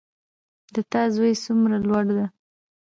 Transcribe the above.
د تا زوی څومره لوړ ده